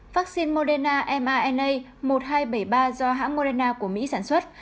vaccine moderna mrna một nghìn hai trăm bảy mươi ba do hãng moderna của mỹ sản xuất